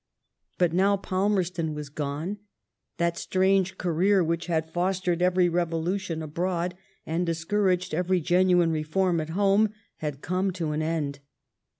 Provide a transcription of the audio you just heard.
But now Palmerston was gone. That strange career which had fostered every revolution abroad and discouraged every genuine reform at home had come to an end.